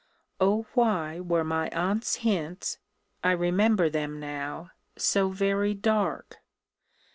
O why were my aunt's hints (I remember them now) so very dark?